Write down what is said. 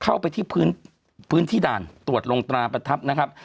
เข้าไปที่พื้นที่ด่านตรวจลงตราประทับนะครับ